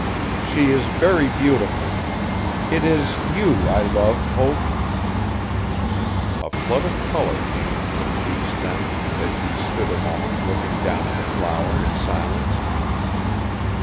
'She is very beautiful it is you I love, Hope.' A flood of colour came into her cheeks then, as she stood a moment looking down at the flower in silence.